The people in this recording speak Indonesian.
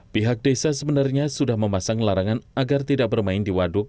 pihak desa sebenarnya sudah memasang larangan agar tidak bermain di waduk